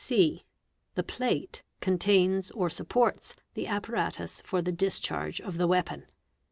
, (c) The plate contains or supports the apparatus for the dischar of the weapon.